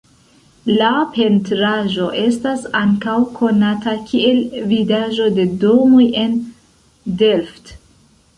La pentraĵo estas ankaŭ konata kiel Vidaĵo de domoj en Delft.